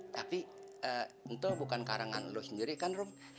tapi tentu bukan karangan lo sendiri kan rum